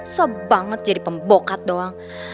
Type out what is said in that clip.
so banget jadi pembokat doang